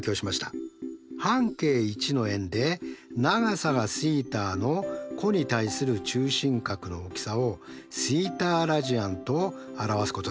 半径１の円で長さがθの弧に対する中心角の大きさをθラジアンと表すことでした。